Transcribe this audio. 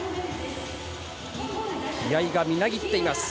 気合がみなぎっています